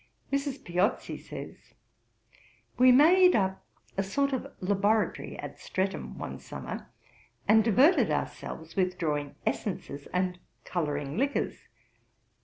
Mrs. Piozzi says (Anec. p. 236): 'We made up a sort of laboratory at Streatham one summer, and diverted ourselves with drawing essences and colouring liquors.